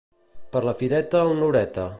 Per la fireta, una horeta.